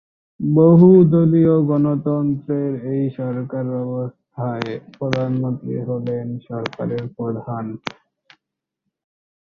বহুদলীয় গণতন্ত্রের এই সরকারব্যবস্থায় প্রধানমন্ত্রী হলেন সরকারের প্রধান।